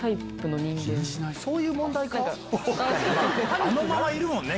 そういう問題か？